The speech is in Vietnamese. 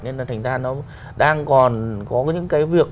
nên là thành ra nó đang còn có những cái việc